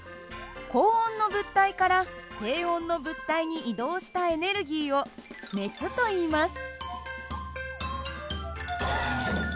高温の物体から低温の物体に移動したエネルギーを熱といいます。